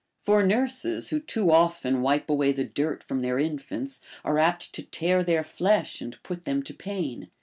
For nurses who too often wipe away the dirt from their infants are apt to tear their flesh and put them to pain.